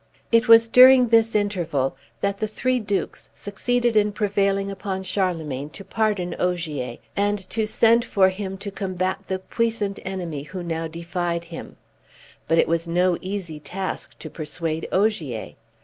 It was during this interval that the three Dukes succeeded in prevailing upon Charlemagne to pardon Ogier, and to send for him to combat the puissant enemy who now defied him; but it was no easy task to persuade Ogier.